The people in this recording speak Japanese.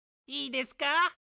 いいですか？